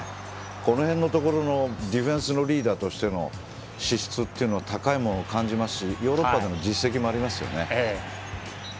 この辺のところのディフェンスのリーダーとしての資質は高いものを感じますしヨーロッパでの実績もありますよね。